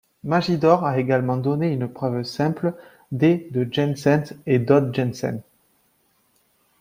Magidor a également donné une preuve simple des de Jensen et de Dodd-Jensen.